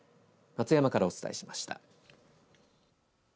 松山からお伝えしました。